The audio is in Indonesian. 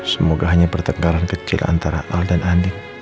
semoga hanya pertengkaran kecil antara al dan andi